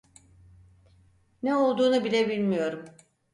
Ne olduğunu bile bilmiyorum.